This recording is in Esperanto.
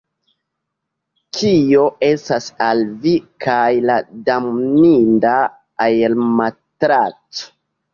Kio estas al vi kaj la damninda aermatraco?